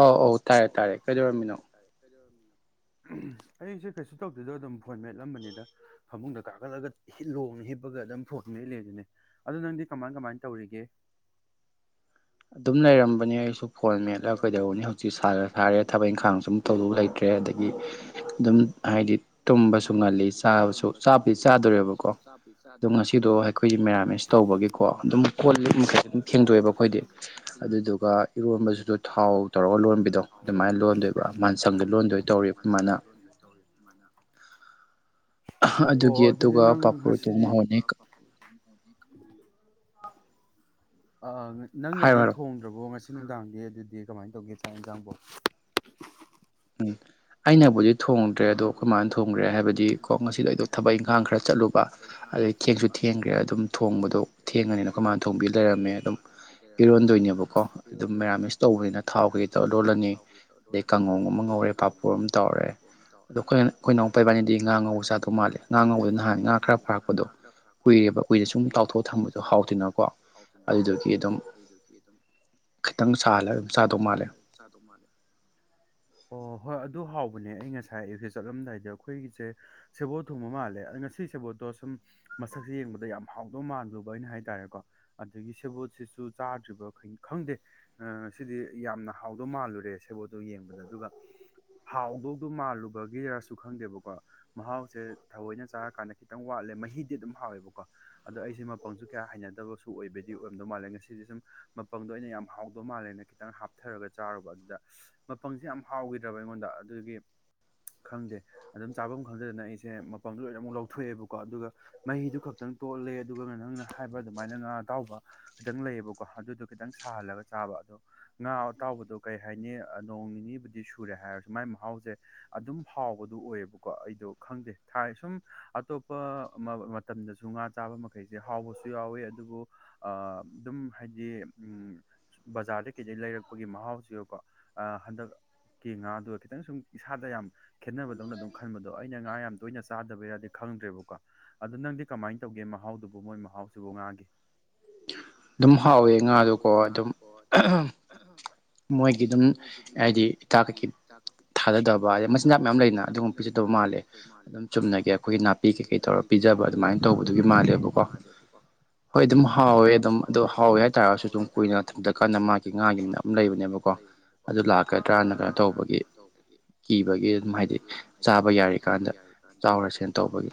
ꯑꯧ ꯑꯧ ꯇꯥꯔꯦ ꯇꯥꯔꯦ ꯀꯩꯗꯧꯔꯝꯃꯤꯅꯣ ꯑꯩꯁꯦ ꯀꯩꯁꯨ ꯇꯧꯗꯣꯏꯗꯣ ꯑꯗꯨꯝ ꯐꯣꯟ ꯃꯦꯠꯂꯝꯕꯅꯤꯗ ꯐꯃꯨꯡꯗ ꯀꯥꯈꯠꯂꯒ ꯍꯤꯠꯂꯣꯡꯅ ꯍꯤꯞꯄꯒ ꯑꯗꯨꯝ ꯐꯣꯠꯇꯅ ꯍꯠꯂꯤꯗꯨꯅꯦ ꯑꯗꯨ ꯅꯪꯗꯤ ꯀꯃꯥꯏ ꯀꯃꯥꯏꯅ ꯇꯧꯔꯤꯒꯦ ꯑꯗꯨꯝ ꯂꯩꯔꯝꯕꯅꯦ ꯑꯩꯁꯨ ꯐꯣꯟ ꯃꯦꯠꯂꯒ ꯀꯩꯗꯧꯕꯅꯤ ꯍꯧꯖꯤꯛ ꯁꯥꯔ ꯁꯥꯔꯦ ꯊꯕꯛ ꯏꯪꯈꯥꯡ ꯁꯨꯝ ꯇꯧꯗꯨ ꯂꯩꯇ꯭ꯔꯦ ꯑꯗꯒꯤ ꯑꯗꯨꯝ ꯍꯥꯏꯗꯤ ꯑꯗꯨꯝ ꯍꯥꯏꯗꯤ ꯇꯨꯝꯕꯁꯨ ꯉꯜꯂꯤ ꯆꯥꯕꯁꯨ ꯆꯥꯕꯨꯗꯤ ꯆꯥꯗꯣꯔꯕ ꯑꯁꯤꯗꯣ ꯑꯩꯈꯣꯏꯒꯤ ꯃꯦꯔꯥꯃꯦꯁ ꯇꯧꯕꯒꯤꯀꯣ ꯑꯗꯨꯝ ꯀꯣꯜꯂꯤ ꯃꯈꯩ ꯑꯗꯨꯝ ꯈꯦꯡꯗꯣꯛꯑꯦꯕ ꯑꯩꯈꯣꯏꯗꯤ ꯈꯈꯤ ꯇꯣꯏꯔꯤꯕ ꯀꯣꯏꯗꯦ ꯑꯗꯨꯗꯨꯒ ꯏ ꯂꯣꯟꯕꯗꯨꯗ ꯊꯥꯎ ꯇꯧꯔꯒ ꯂꯣꯟꯕꯤꯔꯣ ꯑꯗꯨꯃꯥꯏꯅ ꯂꯣꯟꯗꯣꯏꯕ ꯉꯟꯁꯟꯗꯨ ꯂꯣꯟꯗꯣꯏ ꯇꯧꯔꯤꯕ ꯃꯅ ꯑꯣ ꯑꯗꯨꯗꯤ ꯅꯪ ꯉꯁꯤꯗꯤ ꯑ ꯅꯪꯅꯗꯤ ꯊꯣꯡꯗ꯭ꯔꯕꯣ ꯉꯁꯤ ꯅꯨꯡꯗꯥꯡ ꯑꯦ ꯑꯗꯨꯗꯤ ꯀꯃꯥꯏꯅ ꯇꯧꯒꯦ ꯆꯥꯛ ꯌꯦꯟꯖꯥꯡꯐꯧ ꯎꯝ ꯑꯅꯕꯨꯖ ꯊꯣꯡꯗ꯭ꯔꯦ ꯑꯗꯣ ꯀꯔꯃꯥꯏꯅ ꯊꯣꯡꯒ꯭ꯔꯦ ꯍꯥꯏꯕꯗꯤ ꯀꯣ ꯉꯁꯤꯗ ꯑꯩꯗꯣ ꯊꯕꯛ ꯏꯪꯈꯥꯡ ꯈꯔ ꯆꯠꯂꯨꯕ ꯑꯗꯩ ꯊꯦꯡꯁꯨ ꯊꯦꯡꯈ꯭ꯔꯦ ꯑꯗꯨꯝ ꯊꯣꯡꯕꯗꯣ ꯊꯦꯡꯉꯅꯤꯅ ꯑꯩꯈꯣꯏ ꯃꯥꯅ ꯊꯣꯡꯕꯤ ꯂꯩꯔꯝꯃꯦ ꯑꯗꯨꯝ ꯏꯔꯣꯟꯗꯣꯏꯅꯦꯕꯀꯣ ꯑꯗꯨꯝ ꯃꯦꯔꯥꯃꯤꯁ ꯇꯧꯕꯅꯤꯅ ꯊꯥꯎ ꯀꯩꯗ ꯂꯣꯜꯂꯅꯤ ꯑꯗꯩ ꯀꯥꯡꯉꯣꯡ ꯑꯃ ꯉꯧꯔꯦ ꯄꯥꯄꯨꯔ ꯑꯃ ꯇꯧꯔꯦ ꯑꯗꯣ ꯑꯩꯈꯣꯏ ꯑꯩꯈꯣꯏꯅꯎ ꯄꯩꯕꯥꯅꯤꯗꯤ ꯉꯥ ꯉꯧꯕ ꯆꯥꯗꯣ ꯃꯥꯜꯂꯦ ꯉꯥ ꯉꯉꯧꯕꯗꯣ ꯅꯥꯟ ꯉꯥ ꯈꯔ ꯐꯥꯔꯛꯄꯗꯣ ꯀꯨꯏꯔꯦꯕ ꯎꯨꯏꯔꯦ ꯁꯨꯝ ꯇꯥꯎꯊꯣꯛ ꯊꯝꯕꯗꯣ ꯍꯥꯎꯗꯅꯀꯣ ꯑꯗꯨꯗꯨꯒꯤ ꯑꯗꯨꯝ ꯗꯈꯤ ꯑꯗꯨ ꯈꯤꯇꯪ ꯁꯥꯜꯂꯦ ꯑꯗꯨꯝ ꯆꯥꯗꯧ ꯃꯥꯜꯂꯦ ꯑꯣ ꯍꯣꯏ ꯑꯗꯨ ꯍꯥꯎꯕ ꯎꯅꯦ ꯑꯩ ꯉꯁꯥꯏ ꯑꯌꯨꯛꯁꯦ ꯆꯠꯂꯝꯗꯥꯏꯗ ꯑꯩꯈꯣꯏꯒꯤꯁꯦ ꯁꯦꯕꯣꯠ ꯊꯣꯡꯕ ꯃꯥꯜꯂꯦ ꯑꯗꯣ ꯉꯁꯤ ꯁꯦꯕꯣꯠꯇꯣ ꯁꯨꯝ ꯃꯁꯛꯁꯦ ꯌꯦꯡꯕꯗ ꯌꯥꯝ ꯍꯥꯎꯗꯧ ꯃꯥꯟꯂꯕ ꯑꯩꯅ ꯍꯥꯏꯇꯥꯔꯦꯀꯣ ꯑꯗꯒꯤ ꯁꯦꯕꯣꯠꯁꯤꯁꯨ ꯆꯥꯗ꯭ꯔꯤꯕ ꯈꯪꯗꯦ ꯑ ꯁꯤꯗꯤ ꯌꯥꯝꯅ ꯍꯥꯎꯗꯧ ꯃꯥꯜꯂꯨꯔꯦ ꯁꯦꯕꯣꯠꯇꯣ ꯌꯦꯡꯕꯗ ꯑꯗꯨꯒ ꯍꯥꯎꯗꯧꯗꯣ ꯃꯥꯜꯂꯨꯕꯒꯤꯔꯁꯨ ꯈꯪꯗꯦꯕꯀꯣ ꯃꯍꯥꯎꯁꯦ ꯊꯑꯣꯏꯅ ꯆꯥꯔꯀꯥꯟꯗ ꯈꯤꯇꯪ ꯋꯥꯠꯂꯦ ꯃꯍꯤꯗꯤ ꯑꯗꯨꯝ ꯍꯥꯎꯋꯦꯕꯀꯣ ꯑꯗꯣ ꯑꯩꯁꯦ ꯃꯄꯪꯁꯨ ꯀꯌꯥ ꯍꯩꯅꯗꯕꯁꯨ ꯑꯣꯏꯕꯗꯤ ꯑꯣꯏꯔꯝꯗꯧ ꯃꯥꯜꯂꯦ ꯉꯁꯤꯗꯤ ꯁꯨꯝ ꯃꯄꯪꯗꯣ ꯑꯩꯅ ꯌꯥꯝ ꯍꯥꯎꯗꯧ ꯃꯥꯜꯂꯦ ꯈꯤꯇꯪ ꯍꯥꯞꯊꯔꯒ ꯆꯥꯔꯨꯕ ꯑꯗꯨꯗ ꯃꯄꯪꯁꯦ ꯌꯥꯝ ꯍꯥꯎꯈꯤꯗ꯭ꯔꯕ ꯑꯩꯉꯣꯟꯗ ꯑꯗꯨꯒꯤ ꯈꯪꯗꯦ ꯑꯗꯨꯝ ꯆꯥꯐꯝ ꯈꯪꯗꯗꯅ ꯑꯩꯁꯦ ꯃꯐꯝꯗ ꯂꯣꯏꯅꯃꯛꯨꯛ ꯂꯧꯊꯣꯛꯑꯦꯕꯀꯣ ꯑꯗꯨꯒ ꯃꯍꯤꯗꯨ ꯈꯛꯇꯪ ꯇꯣꯠꯜꯂꯦ ꯑꯗꯨꯒ ꯅꯪꯅ ꯍꯥꯏꯕ ꯑꯗꯨꯃꯥꯏꯅ ꯉꯥ ꯑꯇꯥꯎꯕ ꯈꯤꯇꯪ ꯂꯩꯌꯦꯕꯀꯣ ꯑꯗꯨꯗꯣ ꯈꯤꯇꯪ ꯁꯥꯍꯜꯂꯒ ꯆꯥꯕ ꯑꯗꯣ ꯉꯥ ꯑꯇꯥꯎꯕꯗꯣ ꯀꯩ ꯍꯥꯏꯅꯤ ꯅꯣꯡ ꯅꯤꯅꯤꯕꯨꯗꯤ ꯁꯨꯔꯦ ꯍꯥꯏꯔꯁꯨ ꯃꯥꯏ ꯃꯍꯥꯎꯁꯦ ꯑꯗꯨꯝ ꯍꯥꯎꯕꯗꯨ ꯑꯣꯏꯌꯦꯕꯀꯣ ꯑꯩꯗꯣ ꯈꯪꯗꯦ ꯊꯥꯏ ꯁꯨꯝ ꯑꯇꯣꯞꯄ ꯃꯇꯝꯗꯁꯨ ꯉꯥ ꯆꯥꯕ ꯃꯈꯩꯁꯦ ꯍꯥꯎꯕꯁꯨ ꯌꯥꯎꯋꯤ ꯑꯗꯨꯕꯨ ꯑ ꯑꯗꯨꯝ ꯍꯥꯏꯗꯤ ꯎꯝ ꯕꯖꯥꯔꯗ ꯀꯩꯗ ꯂꯩꯔꯛꯄꯒꯤ ꯃꯍꯥꯎꯁꯤꯕꯣ ꯍꯟꯗꯛꯀꯤ ꯉꯥꯗꯨ ꯈꯤꯇꯪ ꯁꯨꯝ ꯏꯁꯥꯗ ꯌꯥꯝ ꯈꯦꯠꯅꯕꯗꯧꯅ ꯑꯗꯨꯝ ꯈꯟꯕꯗꯣ ꯑꯩꯅ ꯉꯥ ꯌꯥꯝ ꯇꯣꯏꯅ ꯆꯥꯗꯕꯩꯔꯗꯤ ꯈꯪꯗ꯭ꯔꯦꯕꯀꯣ ꯑꯗ ꯅꯪꯗꯤ ꯀꯃꯥꯏꯅ ꯇꯧꯒꯦ ꯃꯍꯥꯎꯗꯨꯕꯨ ꯃꯣꯏ ꯃꯍꯥꯎꯁꯤꯕꯨ ꯉꯥꯒꯦ ꯑꯗꯨꯝ ꯍꯥꯎꯋꯦ ꯉꯥꯗꯣꯀꯣ ꯑꯗꯨꯝ ꯑ [unintelligible] ꯃꯣꯏꯒꯤ ꯑꯗꯨꯝ ꯍꯥꯏꯗꯤ ꯇꯥꯥꯛ ꯀꯩꯀꯤ ꯊꯥꯗꯗꯕ ꯑꯗꯩ ꯃꯆꯤꯟꯖꯥꯛ ꯃꯌꯥꯝ ꯂꯩꯅ ꯑꯗꯨꯒꯨꯝꯕ ꯄꯤꯖꯗꯕ ꯃꯥꯜꯂꯦ ꯑꯗꯨꯝ ꯆꯨꯝꯅꯒꯤꯦ ꯑꯩꯈꯣꯏꯒꯤ ꯅꯥꯠ ꯑꯩꯈꯣꯏꯒꯤ ꯅꯥꯄꯤ ꯀꯩꯀꯩ ꯇꯧꯔꯒ ꯄꯤꯖꯕ ꯑꯗꯨꯃꯥꯏꯅ ꯇꯧꯕꯗꯨꯒꯤ ꯃꯥꯜꯂꯦꯕꯀꯣ ꯍꯣꯏ ꯑꯗꯨꯝ ꯍꯥꯎꯋꯦ ꯑꯗꯨꯝ ꯑꯣ ꯍꯥꯎꯋꯦ ꯍꯥꯏꯇꯥꯥꯔꯒꯁꯨ ꯑꯗꯨꯝ ꯀꯨꯏꯅ ꯊꯝꯖꯀꯥꯟꯗ ꯃꯥꯒꯤ ꯉꯥꯒꯤꯅ ꯑꯃꯝ ꯂꯩꯕꯅꯦꯕ ꯑꯗꯨ ꯂꯩꯕꯅꯦꯕꯀꯣ ꯑꯗꯨ ꯂꯥꯛꯀꯗ꯭ꯔꯥꯅ ꯀꯩꯅꯣ ꯇꯧꯕꯒꯤ ꯀꯤꯕꯒꯤ ꯑꯗꯨꯝ ꯍꯥꯏꯗꯤ ꯆꯥꯕ ꯌꯥꯔꯤ ꯀꯥꯟꯗ ꯆꯥꯎꯔ ꯁꯦꯟ ꯇꯧꯕꯒꯤ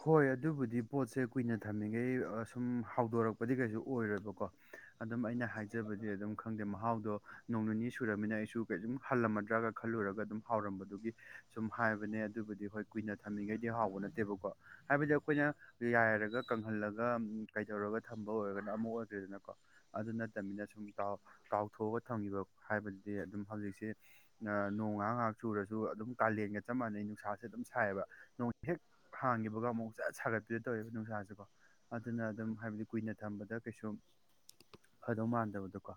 ꯍꯣꯏ ꯑꯗꯨꯕꯨꯗꯤ ꯄꯣꯠꯁꯦ ꯀꯨꯏꯅ ꯊꯝꯃꯤꯈꯩ ꯁꯨꯝ ꯍꯥꯎꯗꯣꯔꯛꯄꯗꯤ ꯀꯩꯁꯨ ꯑꯣꯏꯔꯣꯏꯕꯀꯣ ꯑꯗꯨꯝ ꯑꯩꯅ ꯍꯥꯏꯖꯕꯗꯤ ꯑꯗꯨꯝ ꯈꯪꯗꯦ ꯃꯍꯥꯎꯗꯣ ꯅꯣꯡ ꯅꯤꯅꯤ ꯁꯨꯨꯔꯃꯤꯅ ꯑꯩꯁꯨ ꯀꯝ ꯍꯜꯂꯝꯃꯗ꯭ꯔꯥꯒ ꯈꯜꯂꯨꯔꯒ ꯑꯗꯨꯝ ꯍꯥꯎꯔꯝꯕꯗꯨꯒꯤ ꯁꯨꯝ ꯍꯥꯏꯕꯅꯦ ꯑꯗꯨꯕꯨꯗꯤ ꯍꯣꯏ ꯀꯨꯏꯅ ꯊꯝꯃꯤꯉꯩꯗꯤ ꯍꯥꯎꯕ ꯅꯠꯇꯦꯕꯀꯣ ꯍꯥꯏꯕꯗꯤ ꯑꯩꯈꯣꯏꯅ ꯌꯥꯏꯔꯒ ꯀꯪꯍꯜꯂꯒ ꯀꯩꯗꯧꯔꯒ ꯊꯝꯕ ꯑꯣꯏꯔꯒꯅ ꯑꯃ ꯑꯣꯏꯗ꯭ꯔꯦꯗꯅꯀꯣ ꯑꯗꯨ ꯅꯠꯇꯕꯅꯤꯅ ꯁꯨꯝꯥꯎ ꯇꯥꯎꯊꯣꯛꯑꯒ ꯊꯝꯈꯤꯕ ꯍꯥꯏꯕꯗꯤ ꯑꯗꯨꯝ ꯍꯧꯖꯤꯛꯁꯦ ꯅꯣꯡ ꯉꯥ ꯉꯥꯏꯍꯥꯛ ꯆꯨꯔꯁꯨ ꯑꯗꯨꯝ ꯀꯥꯂꯦꯟꯒ ꯆꯞ ꯃꯥꯟꯅꯩ ꯅꯨꯡꯁꯥꯁꯦ ꯑꯗꯨꯝ ꯁꯥꯏꯑꯕ ꯅꯣꯡ ꯍꯦꯛ ꯍꯥꯡꯈꯤꯕꯒ ꯑꯃꯨꯛ ꯆꯠ ꯁꯥꯒꯠꯄꯤꯗ ꯇꯧꯋꯦꯕ ꯅꯨꯡꯁꯥꯥꯁꯀꯣ ꯑꯗꯨꯅ ꯑꯗꯨꯝ ꯍꯥꯏꯕꯗꯤ ꯀꯨꯏꯅ ꯊꯝꯕꯗ ꯀꯩꯁꯨꯝ ꯐꯗꯧ ꯃꯥꯟꯗꯕꯗꯣꯀꯣ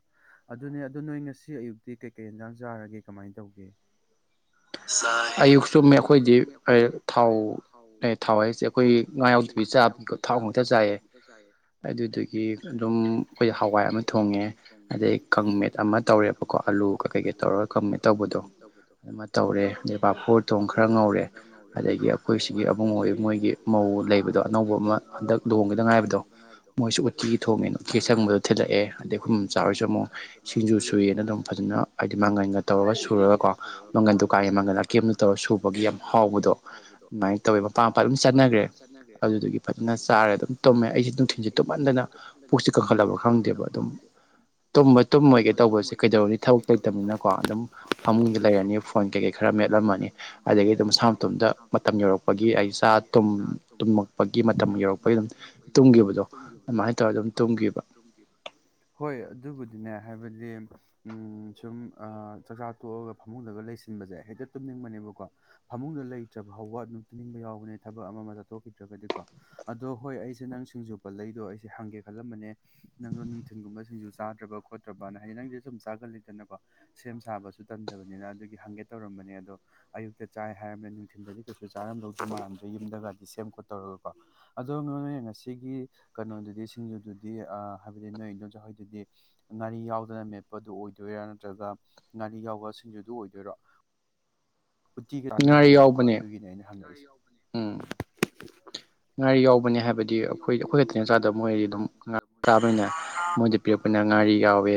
ꯑꯗꯨꯅꯦ ꯑꯗꯣ ꯅꯣꯏ ꯉꯁꯤ ꯑꯌꯨꯛꯇꯤ ꯀꯩꯀꯩ ꯌꯦꯟꯖꯥꯡ ꯆꯥꯔꯒꯦ ꯀꯃꯥꯏꯅ ꯇꯧꯒꯦ ꯑꯌꯨꯛ ꯁꯨꯝꯃꯤ ꯑꯩꯈꯣꯏꯗꯤ ꯊꯥꯎꯅꯦ ꯊꯥꯎ ꯍꯥꯏꯁꯦ ꯊꯥꯎ ꯍꯥꯏꯁꯦ ꯑꯩꯈꯣꯏ ꯉꯥ ꯌꯥꯎꯗ ꯆꯥꯕ ꯊꯥꯎꯕꯨꯗ ꯆꯥꯏꯑꯌꯦ ꯑꯗꯨꯗꯒꯤ ꯑꯗꯨꯝ ꯑꯩꯈꯣꯏ ꯍꯋꯥꯏ ꯑꯃ ꯊꯣꯡꯉꯦ ꯑꯗꯩ ꯀꯪꯃꯦꯠ ꯑꯃ ꯇꯧꯔꯦꯕꯀꯣ ꯑꯥꯂꯨꯒ ꯀꯩꯀꯩ ꯇꯧꯔꯒ ꯀꯝꯃꯦ ꯇꯧꯕꯗꯣ ꯑꯗꯨ ꯇꯧꯔꯦ ꯑꯗꯩ ꯄꯥꯐꯣꯔ ꯊꯣꯡ ꯈꯔ ꯉꯧꯔꯦ ꯑꯗꯒꯤ ꯑꯩꯈꯣꯏꯁꯤꯒꯤ ꯑꯃꯕꯨꯡꯉ ꯃꯣꯏꯒꯤ ꯃꯧ ꯂꯩꯕꯗꯣ ꯑꯅꯧꯕ ꯑꯃ ꯍꯟꯗꯛ ꯂꯨꯍꯣꯡꯒꯦꯗ ꯉꯥꯏꯕꯗꯣ ꯃꯣꯏꯁꯨ ꯎꯠꯇꯤꯒꯤ ꯊꯣꯡꯉꯦꯅ ꯎꯇꯤ ꯁꯪꯕꯗ ꯊꯤꯜꯂꯛꯑꯦ ꯑꯗꯒꯤꯈ ꯆꯥꯔꯁꯨ ꯑꯃꯨꯛ ꯁꯤꯡꯖꯨ ꯁꯨꯏꯌꯦꯅ ꯑꯗꯨꯝ ꯐꯖꯅ ꯍꯥꯏꯗꯤ ꯃꯥꯡꯒꯟꯒ ꯇꯧꯔꯒ ꯁꯨꯔꯒꯀꯣ ꯃꯪꯒꯜ ꯗꯨꯀꯥꯟꯒꯤ ꯃꯪꯒꯜ ꯑꯀꯦꯝꯅ ꯇꯧꯔ ꯁꯨꯕꯒꯤ ꯌꯥꯝ ꯍꯥꯎꯕꯗꯣ ꯑꯗꯨꯃꯥꯏꯅ ꯇꯧꯋꯦ ꯃꯄꯥꯥꯟ ꯃꯄꯥ ꯑꯗꯨꯝ ꯆꯠꯅꯈ꯭ꯔꯦ ꯑꯗꯨꯗꯨꯒꯤ ꯐꯖꯅ ꯆꯥꯔꯦ ꯑꯗꯨꯝ ꯇꯝꯃꯦ ꯑꯩꯁꯦ ꯅꯨꯡꯊꯤꯟꯜꯁꯦ ꯇꯨꯝꯍꯟꯗꯅ ꯄꯨꯛꯁ ꯀꯟꯈꯠꯂꯕ꯭ꯔ ꯈꯪꯗꯦꯕ ꯑꯗꯨꯝ ꯇꯨꯝꯕ ꯇꯨꯝꯃꯒꯦ ꯇꯧꯕꯁꯦ ꯀꯩꯗꯧꯔꯅꯤ ꯊꯕꯛ ꯂꯩꯇꯕꯅꯤꯅꯀꯣ ꯑꯗꯨꯝ ꯐꯃꯨꯡꯗ ꯂꯩꯔꯅꯤ ꯐꯣꯏꯟ ꯀꯩꯀꯩ ꯈꯔ ꯃꯦꯠꯂꯝꯃꯅꯤ ꯑꯗꯒꯤ ꯑꯗꯨꯝ ꯃꯁꯥ ꯃꯇꯝꯗ ꯃꯇꯝ ꯌꯧꯔꯛꯄꯒꯤ ꯑꯩ ꯆꯥ ꯒꯤ ꯃꯇꯝ ꯌꯧꯔꯛꯄꯒꯤ ꯑꯗꯨꯝ ꯇꯨꯝꯈꯤꯕꯗꯣ ꯑꯗꯨꯃꯥꯏꯅ ꯇꯧꯔꯒ ꯑꯗꯨꯝ ꯇꯨꯝꯈꯤꯕ ꯍꯣꯏ ꯑꯗꯨꯕꯨꯗꯤꯅꯦ ꯍꯥꯏꯕꯗꯤ ꯎ ꯁꯨꯝ ꯆꯥꯛꯆꯥ ꯇꯣꯛꯑꯒ ꯐꯃꯨꯡꯂꯒ ꯂꯩꯁꯤꯟꯕꯁꯦ ꯍꯦꯛꯇ ꯇꯨꯝꯅꯤꯡꯕꯅꯦꯕꯀꯣ ꯐꯃꯨꯡꯗ ꯂꯩꯇ꯭ꯔꯐꯥꯎꯕ ꯑꯗꯨꯝꯇꯤꯅꯤꯡꯕ ꯌꯥꯎꯕꯅꯦ ꯊꯕꯛ ꯑꯃ ꯑꯃ ꯆꯠꯊꯣꯛꯈꯤꯗ꯭ꯔꯒꯗꯤꯀꯣ ꯑꯗꯣ ꯍꯣꯏ ꯑꯩꯁꯦ ꯅꯪ ꯁꯤꯡꯖꯨ ꯄꯜꯂꯗꯣ ꯑꯩꯁꯦ ꯍꯪꯒꯦ ꯈꯜꯂꯝꯕꯅꯦ ꯅꯪꯗꯣ ꯅꯨꯡꯊꯤꯟꯒꯨꯝꯕ ꯁꯤꯡꯁꯨ ꯆꯥꯗ꯭ꯔꯕ ꯈꯣꯠꯇ꯭ꯔꯕꯅ ꯍꯥꯏꯗꯤ ꯅꯪꯗꯤ ꯁꯨꯝ ꯆꯥꯒꯜꯂꯤꯗꯅꯀꯣ ꯁꯦꯝ ꯁꯥꯕꯁꯨ ꯇꯟꯗꯕꯅꯤꯅ ꯑꯗꯨꯒꯤ ꯍꯪꯒꯦꯠ ꯇꯧꯔꯝꯕꯅꯦ ꯑꯗꯣ ꯑꯌꯨꯛꯇ ꯆꯥꯏ ꯍꯥꯏꯔꯝ꯭ꯔ ꯅꯨꯡꯊꯤꯜꯗꯗꯤ ꯀꯩꯁꯨ ꯆꯥꯔꯝꯗꯧꯗꯤ ꯃꯥꯟꯗ꯭ꯔꯦ ꯌꯨꯝꯗꯒꯗꯤ ꯁꯦꯝ ꯈꯣꯠꯇꯧꯔꯒꯀꯣ ꯑꯗꯣ [unintelligible] ꯉꯁꯤꯒꯤ ꯀꯩꯅꯣꯗꯨꯗꯤ ꯁꯤꯡꯖꯨꯗꯨꯗꯤ ꯑ ꯍꯥꯏꯕꯗꯤ ꯅꯣꯏ ꯏꯟꯗꯣꯝꯆꯥꯍꯣꯏꯗꯨꯗꯤ ꯥꯔꯤ ꯌꯥꯎꯗꯅ ꯃꯦꯠꯄꯗꯨ ꯑꯣꯏꯗꯣꯏꯔꯥ ꯅꯠꯇ꯭ꯔꯒ ꯒꯥꯥꯔꯤ ꯌꯥꯎꯕ ꯁꯤꯡꯖꯨꯗꯨ ꯑꯣꯏꯗꯣꯏꯔꯣ ꯎꯇꯤꯒ ꯀꯥꯟꯅꯕꯅꯦꯕꯀꯣ ꯑꯗꯨꯒꯤꯅꯦ ꯑꯩꯅ ꯍꯪꯉꯛꯁꯦ ꯎꯝ ꯉꯥ ꯌꯥꯎꯕꯅꯦ ꯍꯥꯏꯕ ꯍꯥꯏꯕꯗꯤ ꯑꯩꯈꯣꯏ ꯑꯩꯈꯣꯏ ꯈꯛꯇꯅ ꯆꯥꯗꯕ ꯃꯣꯏꯗꯤ ꯑꯗꯨꯝ ꯉꯥ ꯆꯥꯕꯅꯤꯅ ꯃꯣꯏꯗ ꯄꯤꯔꯛꯄꯅ ꯉꯥꯔꯤ ꯌꯥꯎꯋꯦ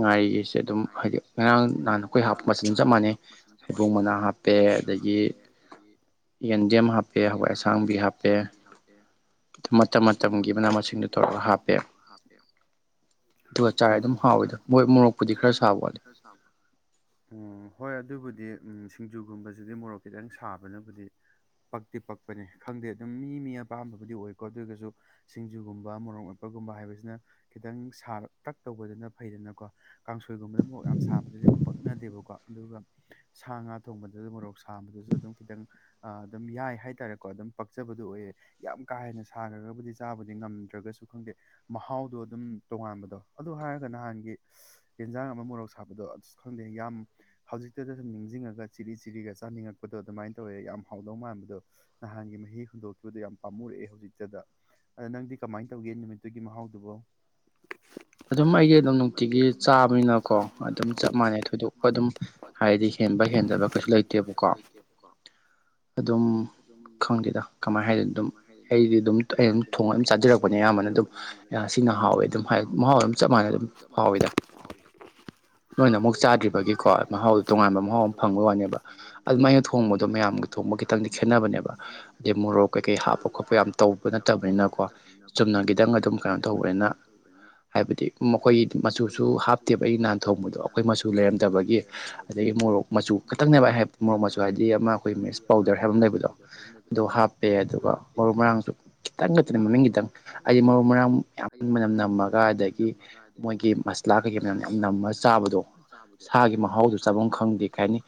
ꯉꯥꯔꯤꯒꯁꯦ ꯑꯗꯨꯝ ꯍꯥꯏꯗꯤ ꯉꯔꯥꯡ ꯅꯍꯥꯟ ꯑꯩꯈꯣꯏ ꯍꯥꯞꯄ ꯃ ꯑꯗꯨꯝ ꯆꯞ ꯃꯥꯟꯅꯩ ꯏꯩꯕꯨꯡ ꯃꯅꯥ ꯍꯥꯞ ꯑꯗꯨꯒꯣꯡꯕꯅꯥ ꯍꯥꯞꯄꯦ ꯑꯗꯒꯤ ꯌꯦꯟꯗꯤꯦꯝ ꯍꯥꯄꯦ ꯍꯋꯥꯏ ꯁꯥꯡꯕꯤ ꯍꯥꯞꯄꯦ ꯍꯛꯁꯥꯡꯕꯤ ꯍꯥꯞꯄꯦ ꯃꯇꯝ ꯃꯇꯝꯒꯤ ꯃꯅꯥ ꯃꯁꯤꯡꯗꯨꯣ ꯇꯧꯔꯒ ꯍꯥꯞꯄꯦ ꯃꯍꯥꯛ ꯄꯦ ꯆꯔ ꯑꯗꯨꯝ ꯐꯥꯎꯋꯦꯗ ꯃꯣꯏ ꯃꯣꯔꯣꯛꯄꯨꯗꯤ ꯈꯔ ꯁꯥꯕ ꯑꯣ ꯍꯣꯏ ꯑꯗꯨꯕꯨꯗꯤ ꯎꯝ ꯁꯤꯡꯖꯨꯒꯨꯝꯕꯁꯤꯗꯤ ꯃꯣꯔꯣꯛ ꯈꯤꯇꯪ ꯁꯥꯕꯅꯕꯨꯗꯤ ꯄꯛꯇꯤ ꯄꯛꯄꯅꯦ ꯈꯪꯗꯦ ꯑꯗꯨꯝ ꯃꯤ ꯃꯤ ꯑꯄꯥꯝꯕꯕꯨꯗꯤ ꯑꯣꯏꯀꯣ ꯑꯗꯨꯔꯒꯁꯨ ꯁꯤꯡꯖꯨꯒꯨꯝꯕ ꯃꯣꯔꯣꯛ ꯃꯠꯄꯒꯨꯝꯕ ꯍꯥꯏꯕꯁꯤꯅ ꯈꯤꯇꯪ ꯁꯥꯔ ꯇꯛ ꯇꯧꯕꯗꯅ ꯐꯩꯗꯅꯀꯣ ꯀꯥꯡꯁꯣꯏꯒꯨꯝꯕꯗ ꯑꯃꯨꯛ ꯌꯥꯝ ꯁꯥꯕꯗꯨꯗꯤ ꯑꯃꯨꯛ ꯄꯛꯅꯗꯦꯕꯀꯣ ꯑꯗꯨꯒ ꯁꯥ ꯉꯥ ꯊꯣꯡꯕꯗꯁꯨ ꯃꯣꯔꯣꯛ ꯁꯥꯝꯕꯗꯨꯁꯨ ꯑꯗꯨꯝ ꯈꯤꯇꯪ ꯑ ꯑꯗꯨꯝ ꯌꯥꯏ ꯍꯥꯏꯇꯥꯔꯦꯀꯣ ꯑꯗꯨꯝ ꯄꯛꯆꯕꯗꯨꯣ ꯑꯣꯏꯌꯦ ꯌꯥꯝ ꯀꯥ ꯍꯦꯟꯅ ꯁꯥꯟꯅꯔꯒꯗꯤ ꯆꯥꯕꯗꯤ ꯉꯝꯗ꯭ꯔꯒꯁꯨ ꯈꯪꯗꯦ ꯃꯍꯥꯎꯗꯣ ꯑꯗꯨꯝ ꯇꯣꯉꯥꯟꯕꯗꯣ ꯑꯗꯨ ꯍꯥꯏꯔꯒ ꯅꯍꯥꯟꯒꯤ ꯌꯦꯟꯁꯥꯡ ꯑꯃ ꯃꯣꯔꯣꯛ ꯁꯥꯕꯗꯣ ꯑꯗꯨꯁꯨ ꯈꯪꯗꯦ ꯌꯥꯝ ꯍꯧꯖꯤꯛꯇꯗ ꯁꯨꯝ ꯅꯤꯡꯁꯤꯡꯉꯒ ꯆꯤꯔꯤ ꯆꯤꯔꯤꯒ ꯆꯥꯅꯤꯡꯉꯛꯄꯗꯣ ꯑꯗꯨꯃꯥꯏꯅ ꯇꯧꯋꯦ ꯌꯥꯝ ꯍꯥꯎꯗꯧ ꯃꯥꯟꯕꯗꯣ ꯅꯍꯥꯟꯒꯤ ꯃꯍꯤ ꯍꯨꯟꯗꯣꯛꯈꯤꯕꯗꯨ ꯌꯥꯝ ꯄꯥꯝꯃꯨꯔꯛꯑꯦ ꯍꯧꯖꯤꯛꯇꯗ ꯑꯗ ꯅꯪꯗꯤ ꯀꯃꯥꯏꯅ ꯇꯧꯒꯦ ꯅꯨꯃꯤꯠꯇꯨꯒꯤ ꯃꯍꯥꯎꯗꯨꯕꯣ ꯑꯗꯨꯝ ꯑꯩꯗꯤ ꯑꯗꯨꯝ ꯅꯨꯡꯇꯤꯒꯤ ꯆꯥꯕꯅꯤꯅꯀꯣ ꯑꯗꯨꯝ ꯆꯞ ꯃꯥꯟꯅꯩ ꯊꯣꯏꯗꯣꯛꯄ ꯑꯗꯨꯝ ꯍꯥꯏꯗꯤ ꯍꯦꯟꯕ ꯍꯦꯟꯗꯕ ꯀꯩꯁꯨ ꯂꯩꯇꯦꯕꯀꯣ ꯑꯗꯨꯝ ꯈꯪꯒꯦꯗ ꯀꯃꯥꯏꯅ ꯍꯥꯏꯗꯣꯏꯅꯣ ꯑꯗꯨꯝ ꯑꯩꯗꯤ ꯑꯗꯨꯝ ꯑꯩ ꯑꯗꯨꯝ ꯊꯣꯡ ꯑꯗꯨꯝ ꯆꯥꯖꯔꯛꯄꯅꯦ ꯑꯌꯥꯝꯕꯅ ꯑꯗꯨꯝ ꯁꯤꯅ ꯍꯥꯎꯋꯦ ꯑꯗꯨꯝ ꯍꯥꯏ ꯍꯥꯎꯋꯦ ꯑꯗꯨꯝ ꯐ ꯃꯍꯥꯎꯋꯦꯝ ꯆꯞ ꯃꯥꯟꯅ ꯑꯗꯨ ꯅꯣꯏꯅ ꯑꯃꯨꯛ ꯆꯥꯗ꯭ꯔꯤꯕꯒꯤꯀꯣ ꯃꯍꯥꯎꯗꯣ ꯇꯣꯉꯥꯟꯕ ꯃꯍꯥꯎ ꯑꯃ ꯐꯪꯕꯒꯤ ꯋꯥꯅꯦꯕ ꯑꯗꯨꯃꯥꯏꯅ ꯊꯣꯡꯕꯗꯣ ꯃꯌꯥꯝꯒꯤ ꯊꯣꯡꯕ ꯈꯤꯇꯪꯗꯤ ꯈꯦꯠꯅꯕꯅꯦꯕ ꯑꯗꯩ ꯃꯣꯔꯣꯛ ꯀꯩ ꯀꯩ ꯍꯥꯞꯄ ꯈꯣꯠꯄ ꯌꯥꯝ ꯇꯧꯕ ꯅꯠꯇꯕꯅꯤꯅꯀꯣ ꯆꯨꯝꯅꯒꯤꯈꯤꯗꯪ ꯑꯗꯨꯝ ꯀꯩꯅꯣ ꯇꯧꯕꯦꯅ ꯑꯩꯩꯅꯅ ꯍꯥꯏꯕꯗꯤ ꯃꯈꯣꯏꯒꯤ ꯃꯆꯨꯁꯨ ꯍꯥꯞꯇꯦꯕ ꯑꯩꯒꯤ ꯅꯥꯟ ꯊꯣꯡꯕꯗꯣ ꯑꯩꯈꯣꯏ ꯃꯆꯨ ꯂꯩꯔꯝꯗꯕꯒꯤ ꯑꯗꯒꯤ ꯃꯣꯔꯣꯛ ꯃꯆꯨ ꯈꯛꯇꯪꯅꯦꯕ ꯃꯣꯔꯣꯛ ꯃꯆꯨ ꯍꯥꯏꯗꯤ ꯑꯃ ꯑꯩꯈꯣꯏ ꯃꯤꯁ ꯄꯥꯎꯗꯔ ꯍꯥꯏꯕ ꯑꯃ ꯂꯩꯕꯗꯣ ꯑꯗꯣ ꯍꯥꯞ ꯍꯥꯞ ꯄꯦ ꯑꯗꯨꯒ ꯃꯔꯨ ꯃꯔꯥꯡꯁꯨ ꯈꯤꯇꯪ ꯈꯛꯇꯅ ꯃꯃꯤꯡ ꯈꯤꯇꯪ ꯍꯥꯏꯗꯤ ꯃꯔꯨ ꯃꯔꯥꯡ ꯌꯥꯝꯟꯕꯅꯝ ꯅꯃꯛ ꯑꯗꯒꯤ ꯃꯣꯏꯒꯤ ꯃꯁꯂꯥ ꯀꯩꯀꯩ ꯃꯌꯥꯝ ꯌꯥꯝ ꯅꯝꯃꯒ ꯆꯥꯕꯗꯣ ꯁꯥꯒꯤ ꯃꯍꯥꯎꯗꯨꯣ ꯆꯥꯐꯝ ꯈꯪꯗꯦ ꯀꯩ ꯍꯥꯏꯅꯤ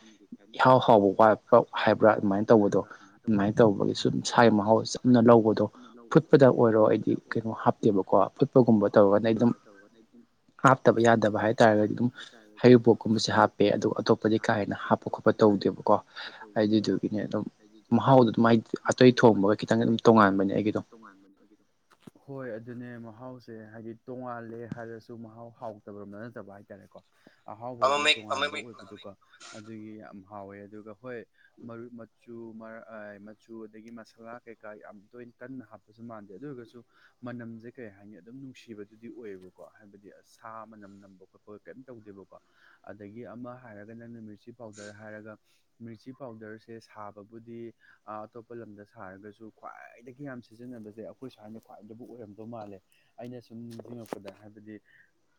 ꯏꯍꯥꯎ ꯍꯥꯎꯕ ꯋꯥꯠꯄ ꯍꯥꯏꯕ꯭ꯔꯥ ꯑꯗꯨꯃꯥꯏꯅ ꯇꯧꯕꯗꯣ ꯑꯗꯨꯃꯥꯏꯅ ꯇꯧꯕꯒꯤ ꯁꯨꯝ ꯊꯥꯏꯒꯤ ꯃꯍꯥꯎ ꯆꯞꯅ ꯂꯧꯕꯗꯣ ꯐꯨꯠꯄꯗ ꯑꯣꯏꯔꯣ ꯑꯩꯗꯤ ꯀꯩꯅꯣ ꯍꯥꯞꯇꯦꯕꯀꯣ ꯐꯨꯠꯄꯒꯨꯝꯕ ꯆꯄꯒꯨꯝꯕ ꯇꯕꯒꯅꯝ ꯍꯥꯞꯇꯕ ꯌꯥꯗꯕ ꯍꯥꯏꯇꯥꯥꯔꯒꯗꯤ ꯑꯗꯨꯝ ꯍꯩꯔꯨꯕꯣꯀꯨꯝꯕꯁꯦ ꯍꯥꯞꯄꯦ ꯑꯗꯨꯒ ꯑꯇꯣꯞꯄꯗꯤ ꯀꯥꯦꯟꯅ ꯍꯥꯞꯄ ꯈꯣꯠꯄ ꯇꯧꯗꯦꯕꯀꯣ ꯑꯗꯨꯗꯨꯒꯤꯅꯦ ꯑꯗꯨꯝ ꯃꯍꯥꯎꯗ ꯑꯗꯨꯅ ꯃꯍꯥꯎꯗ ꯑꯗꯨꯃꯥꯏ ꯑꯇꯩ ꯊꯣꯡꯕꯒ ꯈꯤꯇꯪ ꯑꯗꯨꯝ ꯇꯣꯉꯥꯟꯕꯅꯦ ꯑꯩꯒꯤ ꯑꯗꯨꯝ ꯍꯣꯏ ꯑꯗꯨꯅꯦ ꯃꯍꯥꯎꯁꯦ ꯍꯥꯏꯗꯤ ꯇꯣꯡꯉꯥꯜꯂꯦ ꯍꯥꯏꯔꯁꯨ ꯃꯍꯥꯎ ꯍꯥꯎꯇꯕꯔꯣꯝꯗ ꯅꯠꯇꯕ ꯍꯥꯏꯇꯥꯔꯦꯀꯣ ꯑꯍꯥꯎꯕꯣꯔꯝꯗꯣ ꯇꯣꯉꯥꯟꯕ ꯑꯣꯏꯕꯗꯨꯒꯣ ꯑꯗꯨꯒꯤ ꯌꯥꯝ ꯍꯥꯎꯋꯦ ꯑꯗꯨꯒ ꯍꯣꯏ ꯃꯔꯨ ꯃꯆꯨ ꯁꯨ ꯑꯗꯒꯤ ꯃꯁꯥꯂꯥ ꯀꯩꯀꯥ ꯌꯥꯝ ꯇꯣꯏꯅ ꯀꯟꯅ ꯍꯥꯞꯄꯁꯨ ꯃꯥꯟꯗꯦ ꯑꯗꯨ ꯑꯣꯏꯔꯒꯁꯨ ꯃꯅꯝꯁꯦ ꯀꯩ ꯍꯥꯏꯅꯤ ꯑꯗꯨꯝ ꯅꯨꯡꯁꯤꯕꯗꯨꯗꯤ ꯑꯣꯏꯌꯦꯕꯀꯣ ꯍꯥꯏꯕꯗꯤ ꯑꯁ ꯁꯥ ꯃꯅꯝ ꯅꯝꯕ ꯈꯣꯠꯄ ꯀꯩꯝ ꯇꯧꯗꯦꯕꯀꯣ ꯑꯗꯒꯤ ꯑꯃ ꯍꯥꯏꯔꯒ ꯅꯪꯅ ꯃꯤꯔꯆꯤ ꯄꯥꯎꯗꯔ ꯍꯥꯏꯔꯒ ꯃꯤꯔꯆꯤ ꯄꯥꯎꯗꯔꯁꯦ ꯁꯥꯕꯕꯨꯗꯤ ꯑꯇꯣꯞꯄ ꯂꯝꯗ ꯁꯥꯔꯒꯁꯨ ꯈ꯭ꯋꯥꯏꯗꯒꯤ ꯌꯥꯝ ꯁꯤꯖꯤꯟꯅꯕꯁꯦ ꯑꯩꯈꯣꯏ ꯁꯥꯏꯅ ꯈ꯭ꯋꯥꯏꯗꯒꯤꯕꯨ ꯑꯣꯏꯔꯝꯗꯧ ꯃꯥꯜꯂꯦ ꯑꯩꯅ ꯁꯨꯝ ꯅꯤꯡꯖꯤꯡꯉꯛꯄꯗ ꯍꯥꯏꯕꯗꯤ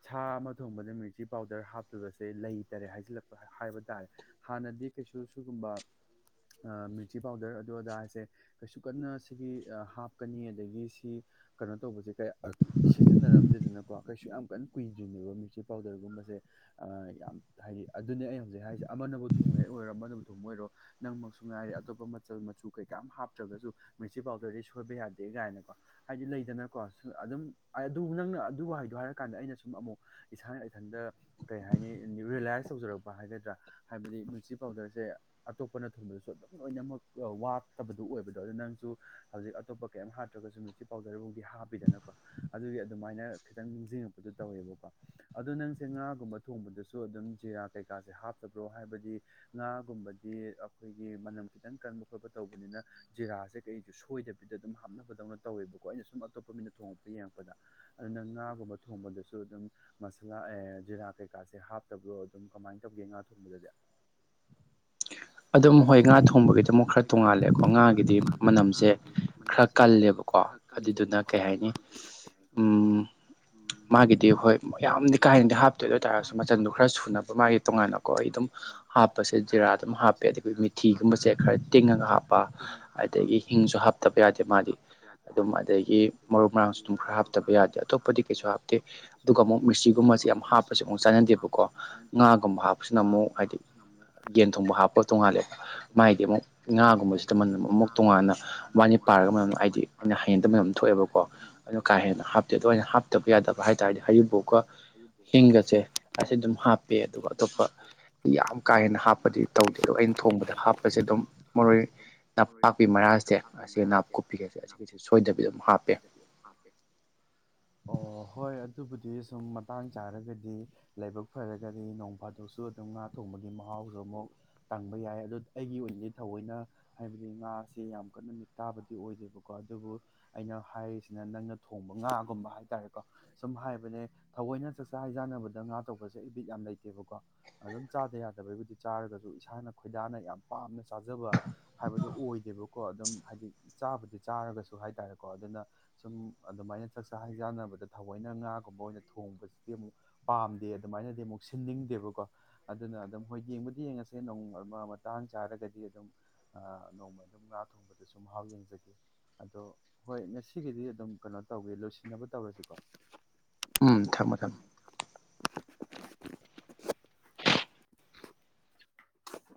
ꯁꯥ ꯑꯃ ꯊꯣꯡꯕꯗ ꯃꯤꯔꯆꯤ ꯄꯥꯎꯗꯔ ꯍꯥꯞꯇꯕꯁꯦ ꯂꯩꯇꯔꯦ ꯍꯥꯏꯖꯤꯜꯂꯛꯄ ꯍꯥꯏꯕ ꯇꯥꯔꯦ ꯍꯥꯟꯅꯗꯤ ꯀꯩꯁꯨ ꯁꯤꯒꯨꯝꯕ ꯑꯥ ꯃꯤꯔꯆꯤ ꯄꯥꯎꯗꯔ ꯑꯗꯨꯗ ꯑꯗꯥ ꯍꯥꯏꯁꯦ ꯀꯩꯁꯨ ꯀꯟꯅ ꯁꯤꯒꯤ ꯍꯥꯞꯀꯅꯤ ꯑꯗꯒꯤ ꯁꯤ ꯀꯩꯅꯣ ꯇꯧꯕꯁꯦ ꯁꯤꯖꯤꯟꯅꯔꯝꯗꯦꯗꯅꯀꯣ ꯀꯩꯁꯨ ꯌꯥꯝ ꯀꯟꯅ ꯀꯨꯏꯗ꯭ꯔꯤꯅꯦꯕ ꯃꯤꯔꯆꯤ ꯄꯥꯎꯗꯔꯒꯨꯝꯕꯁꯦ ꯌꯥꯝ ꯍꯥꯏꯗꯤ ꯑꯗꯨꯅꯦ ꯑꯩ ꯍꯧꯖꯤꯛ ꯍꯥꯏꯔꯤꯁꯦ ꯑꯃꯅꯕꯨ ꯊꯣꯡꯉꯛ ꯑꯣꯏꯔꯣ ꯑꯃꯅꯕꯨ ꯊꯣꯡꯕ ꯑꯣꯏꯔꯣ ꯅꯪꯃꯛꯁꯨ ꯉꯥꯏꯔꯦ ꯑꯇꯣꯞꯄ ꯃꯆꯜ ꯃꯆꯨ ꯀꯩꯀꯥ ꯑꯃ ꯍꯥꯞꯇ꯭ꯔꯒꯁꯨ ꯃꯤꯔꯆꯤ ꯄꯥꯎꯗꯔꯗꯤ ꯁꯣꯏꯕ ꯌꯥꯗꯦ ꯀꯥꯏꯅꯀꯣ ꯍꯥꯏꯗꯤ ꯂꯩꯗꯅꯀꯣ ꯑꯗꯨꯝ ꯑꯗꯨ ꯅꯪꯅ ꯑꯗꯨ ꯋꯥꯍꯩꯗꯣ ꯍꯥꯏꯔꯀꯥꯟꯗ ꯑꯩꯅ ꯁꯨꯝ ꯑꯃꯨꯛ ꯏꯁꯥꯅ ꯏꯊꯟꯇ ꯀꯩ ꯍꯥꯏꯅꯤ ꯔꯤꯌꯦꯂꯥꯏꯁ ꯇꯧꯖꯔꯛꯄ ꯍꯥꯏꯒꯗ꯭ꯔꯥ ꯍꯥꯏꯕꯗꯤ ꯃꯤꯔꯆꯤ ꯄꯥꯎꯗꯔꯁꯦ ꯑꯇꯣꯞꯄꯅ ꯊꯣꯡꯕꯗꯁꯨ ꯑꯗꯨꯝ ꯂꯣꯏꯅꯃꯛ ꯋꯥꯠꯇꯕꯗꯨ ꯑꯣꯏꯕꯗꯣ ꯑꯗꯨ ꯅꯪꯁꯨ ꯍꯧꯖꯤꯛ ꯑꯇꯣꯞꯄ ꯀꯌꯥꯝ ꯍꯥꯞꯇ꯭ꯔꯒꯁꯨ ꯃꯤꯔꯆꯤ ꯄꯥꯎꯗꯔꯕꯨꯗꯤ ꯍꯥꯞꯄꯤꯗꯅꯀꯣ ꯑꯗꯨꯒꯤ ꯑꯗꯨꯃꯥꯏꯅ ꯈꯤꯇꯪ ꯅꯤꯡꯖꯤꯡꯉꯛꯄꯗꯨ ꯇꯧꯋꯦꯕꯀꯣ ꯑꯗꯣ ꯅꯪꯁꯦ ꯉꯥꯒꯨꯝꯕ ꯊꯣꯡꯕꯗꯁꯨ ꯑꯗꯨꯝ ꯖꯤꯔꯥ ꯀꯩꯀꯥꯁꯦ ꯍꯥꯞꯇꯕ꯭ꯔꯣ ꯍꯥꯏꯕꯗꯤ ꯉꯥꯒꯨꯝꯕꯗꯤ ꯑꯩꯈꯣꯏꯒꯤ ꯃꯅꯝ ꯈꯤꯇꯪ ꯀꯟꯕ ꯈꯣꯠꯄ ꯇꯧꯕꯅꯤꯅ ꯖꯤꯔꯥꯁꯦ ꯀꯩꯁꯨ ꯁꯣꯏꯗꯕꯤꯗ ꯑꯗꯨꯝ ꯍꯥꯞꯅꯕꯗꯧꯅ ꯇꯧꯋꯦꯕꯀꯣ ꯑꯩꯅ ꯁꯨꯝ ꯑꯇꯣꯞꯄ ꯃꯤꯅ ꯊꯣꯡꯉꯛꯄ ꯌꯦꯡꯉꯛꯄꯗ ꯑꯗꯨ ꯅꯪ ꯉꯥꯒꯨꯝꯕ ꯊꯣꯡꯕꯗꯁꯨ ꯑꯗꯨꯝ ꯃꯁꯥꯂꯥ ꯑꯦ ꯖꯤꯔꯥ ꯀꯩꯀꯥꯁꯦ ꯍꯥꯞꯇꯕ꯭ꯔꯣ ꯑꯗꯨꯝ ꯀꯃꯥꯏꯅ ꯇꯧꯒꯦ ꯉꯥ ꯊꯣꯡꯕꯗꯗꯤ ꯑꯗꯨꯝ ꯍꯣꯏ ꯉꯥ ꯊꯣꯡꯕꯒꯤꯗ ꯑꯃꯨꯛ ꯈꯔ ꯇꯣꯡꯉꯥꯜꯂꯦꯀꯣ ꯉꯥꯒꯤꯗꯤ ꯃꯅꯝꯁꯦ ꯈꯔ ꯀꯜꯂꯦꯕꯀꯣ ꯑꯗꯨꯗꯨꯅ ꯀꯩ ꯍꯥꯏꯅꯤ ꯎꯝ ꯃꯥꯒꯤꯗꯤ ꯍꯣꯏ ꯃꯌꯥꯝꯗꯤ ꯀꯥꯏ ꯍꯦꯟꯗꯤ ꯍꯥꯞꯇꯦ ꯑꯗꯨ ꯑꯣꯏꯇꯥꯥꯔꯒꯁꯨ ꯃꯆꯟꯗꯣ ꯈꯔ ꯁꯨꯅꯕ ꯃꯥꯒꯤ ꯇꯣꯉꯥꯟꯅꯀꯣ ꯑꯩ ꯑꯗꯨꯝ ꯍꯥꯞ ꯄꯁꯦ ꯖꯤꯔꯥ ꯑꯗꯨꯝ ꯍꯥꯞꯄꯦꯗꯤ ꯑꯩꯈꯣꯏ ꯃꯤꯊꯤꯒꯨꯝꯕꯁꯦ ꯈꯔ ꯇꯤꯡꯉꯒ ꯍꯥꯞꯄ ꯑꯗꯒꯤ ꯍꯤꯡꯁꯨ ꯍꯥꯞꯇꯕ ꯌꯥꯗꯦ ꯃꯥꯗꯤ ꯑꯗꯨꯝ ꯑꯗꯒꯤ ꯃꯔꯨ ꯃꯔꯥꯡꯁꯨ ꯑꯗꯨꯝ ꯈꯔ ꯍꯥꯞꯇꯕ ꯌꯥꯗꯦ ꯑꯇꯣꯞꯄꯗꯤ ꯀꯩꯁꯨ ꯍꯥꯞꯇꯦ ꯑꯗꯨꯒ ꯑꯃꯨꯛ ꯃꯤꯔꯆꯤ ꯒꯨꯝꯕꯁꯤ ꯌꯥꯝ ꯍꯥꯞꯄꯁꯨ ꯑꯃꯨꯛ ꯆꯥꯟꯅꯗꯦꯕꯀꯣ ꯉꯥꯒꯨꯝꯕ ꯍꯥꯞꯄꯁꯤꯅ ꯑꯃꯨꯛ ꯍꯥꯏꯗꯤ ꯅꯃꯣ ꯌꯦꯟ ꯊꯣꯡꯕ ꯍꯥꯞꯄ ꯇꯣꯉꯥꯜꯂꯦꯕ ꯃꯥꯗꯤ ꯑꯃꯨꯛ ꯉꯥꯒꯨꯝꯕꯁꯤꯗ ꯃꯅꯝ ꯑꯃꯨꯛ ꯇꯣꯉꯥꯟꯅ ꯃꯕꯅꯤ ꯄꯥꯔꯒ ꯃꯅꯝ ꯍꯥꯏꯗꯤ ꯑꯩꯅ ꯍꯩꯅꯗꯕ ꯃꯅꯝ ꯑꯃ ꯊꯣꯛꯑꯦꯕꯀꯣ ꯑꯗꯨꯅ ꯀꯥ ꯍꯦꯟꯅ ꯍꯥꯞꯇꯦ ꯑꯗꯨꯃꯥꯏꯅ ꯍꯥꯞꯇꯕ ꯌꯥꯗꯕ ꯍꯥꯏꯇꯥꯔꯗꯤ ꯍꯥꯏꯗꯤ ꯍꯔꯤꯕꯣꯛꯀꯥ ꯍꯤꯡꯒꯁꯦ ꯑꯁꯤ ꯑꯗꯨꯝ ꯍꯥꯞꯄꯦ ꯑꯗꯨꯒ ꯑꯇꯣꯞꯄ ꯌꯥꯝ ꯀꯥ ꯍꯦꯟꯅ ꯍꯥꯞꯄꯗꯤ ꯇꯧꯗꯦ ꯑꯗꯣ ꯑꯩ ꯊꯣꯡꯕꯗ ꯍꯥꯞꯄꯁꯦ ꯑꯗꯨꯝ ꯃꯔꯣꯏ ꯅꯄꯥꯛꯄꯤ ꯃꯔꯥꯁꯦ ꯑꯁꯤ ꯅꯥꯞ ꯀꯨꯞꯄꯤꯒꯁꯦ ꯑꯁꯤ ꯁꯤꯁꯦ ꯁꯣꯏꯗꯕꯤꯗ ꯑꯗꯨꯝ ꯍꯥꯞꯄꯦ ꯑꯣ ꯍꯣꯏ ꯑꯗꯨꯕꯨꯗꯤ ꯁꯨꯝ ꯃꯇꯥꯡ ꯆꯥꯔꯒꯗꯤ ꯂꯥꯏꯕꯛ ꯐꯔꯒꯗꯤ ꯅꯣꯡ ꯐꯥꯗꯣꯛꯁꯨ ꯑꯗꯨꯝ ꯉꯥ ꯊꯣꯡꯕꯒꯤ ꯃꯍꯥꯎꯁꯨ ꯑꯃꯨꯛ ꯇꯥꯡꯕ ꯌꯥꯏ ꯑꯗꯨ ꯑꯩꯒꯤ ꯑꯣꯏꯅꯗꯤ ꯊꯑꯣꯏꯅ ꯍꯥꯏꯕꯗꯤ ꯉꯥꯁꯦ ꯌꯥꯝ ꯀꯟꯅ ꯃꯤꯠ ꯇꯥꯕꯗꯤ ꯑꯣꯏꯗꯦꯕꯀꯣ ꯑꯗꯨꯕꯨ ꯑꯩꯅ ꯍꯥꯏꯔꯤꯁꯤꯅ ꯅꯪꯅ ꯊꯣꯡꯕ ꯉꯥꯒꯨꯝꯕ ꯍꯥꯏꯇꯥꯔꯦꯀꯣ ꯁꯨꯝ ꯍꯥꯏꯕꯅꯦ ꯊꯑꯣꯏꯅ ꯆꯥꯛꯆꯥ ꯍꯩꯖꯥꯟꯅꯕꯗ ꯉꯥ ꯇꯧꯕꯁꯦ ꯑꯩ ꯕꯤꯠ ꯌꯥꯝ ꯂꯩꯇꯦꯕꯀꯣ ꯑꯗꯨꯝ ꯆꯥꯗ ꯌꯥꯗꯕꯩꯕꯨꯗꯤ ꯆꯥꯔꯒꯁꯨ ꯏꯁꯥꯅ ꯈꯣꯏꯗꯥꯅ ꯌꯥꯝ ꯄꯥꯝꯅ ꯆꯥꯖꯕ ꯍꯥꯏꯕꯗꯣ ꯑꯣꯏꯗꯦꯕꯀꯣ ꯑꯗꯨꯝ ꯍꯥꯏꯗꯤ ꯆꯥꯕꯗꯤ ꯆꯥꯔꯒꯁꯨ ꯍꯥꯏꯇꯥꯔꯦꯀꯣ ꯑꯗꯨꯅ ꯁꯨꯝ ꯑꯗꯨꯃꯥꯏꯅ ꯆꯥꯛꯆꯥ ꯍꯩꯖꯥꯟꯅꯕꯗ ꯊꯑꯣꯏꯅ ꯉꯥꯒꯨꯝꯕ ꯑꯣꯏꯅ ꯊꯣꯡꯕꯁꯤꯗꯤ ꯑꯃꯨꯛ ꯄꯥꯝꯗꯦ ꯑꯗꯨꯃꯥꯏꯅꯗꯤ ꯑꯃꯨꯛ ꯁꯤꯟꯅꯤꯡꯗꯦꯕꯀꯣ ꯑꯗꯨꯅ ꯑꯗꯨꯝ ꯍꯣꯏ ꯌꯦꯡꯕꯗꯤ ꯌꯦꯡꯉꯁꯦ ꯅꯣꯡ ꯑꯃ ꯃꯇꯥꯡ ꯆꯥꯔꯒꯗꯤ ꯑꯗꯨꯝ ꯅꯣꯡꯃ ꯑꯗꯨꯝ ꯉꯥ ꯊꯣꯡꯕꯗꯁꯨ ꯃꯍꯥꯎ ꯌꯦꯡꯖꯒꯦ ꯑꯗꯣ ꯍꯣꯏ ꯉꯁꯤꯒꯤꯗꯤ ꯑꯗꯨꯝ ꯀꯩꯅꯣ ꯇꯧꯒꯦ ꯂꯣꯏꯁꯤꯟꯅꯕ ꯇꯧꯔꯁꯤꯀꯣ ꯎꯝ ꯊꯝꯃꯣ ꯊꯝꯃꯣ